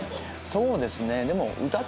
そうですね。